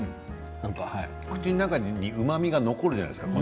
口の中にうまみが残るじゃないですか